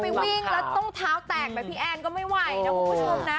วิ่งแล้วต้องเท้าแตกแบบพี่แอนก็ไม่ไหวนะคุณผู้ชมนะ